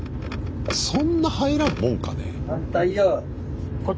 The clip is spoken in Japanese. そんな入らんもんかね？